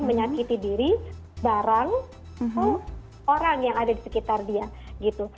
menyakiti diri barang orang yang ada di sekitar dia gitu